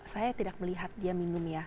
saya tidak melihat dia minum ya